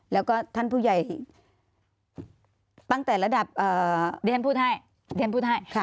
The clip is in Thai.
แล้วก็ท่านผู้ใหญ่ตั้งแต่ระดับเรียนพูดให้เรียนพูดให้